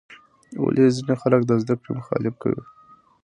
ولې ځینې خلک د زده کړې مخالفت کوي؟